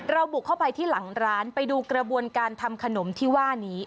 บุกเข้าไปที่หลังร้านไปดูกระบวนการทำขนมที่ว่านี้